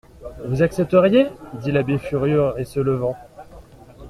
Vous accepteriez ? dit l'abbé furieux, et se levant.